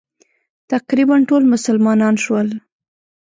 تقریباً ټول مسلمانان شول.